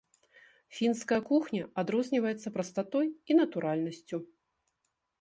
Фінская кухня адрозніваецца прастатой і натуральнасцю.